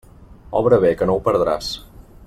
Obra bé, que no ho perdràs.